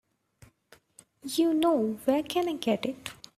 You know where I can get it?